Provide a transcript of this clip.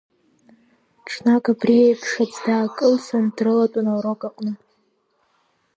Ҽнак абри иеиԥш аӡә даакылсын, дрылатәан аурок аҟны.